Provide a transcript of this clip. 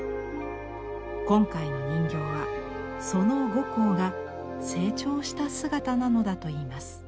今回の人形はその呉公が成長した姿なのだといいます。